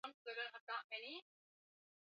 langu jina ni ebi shabaan abdala